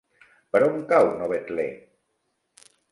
Per on cau Novetlè?